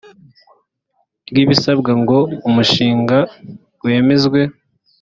ry ibisabwa ngo umushinga wemezwe